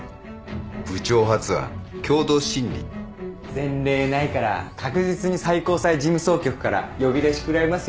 前例ないから確実に最高裁事務総局から呼び出し食らいますよ。